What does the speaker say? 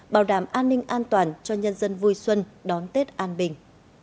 bảo đảm an ninh an toàn cho nhân dân vui xuân đón tết an bình